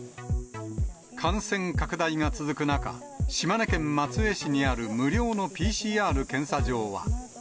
感染拡大が続く中、島根県松江市にある無料のＰＣＲ検査場は。